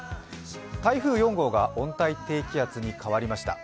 台風４号が温帯低気圧に変わりました。